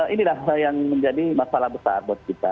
inilah yang menjadi masalah besar buat kita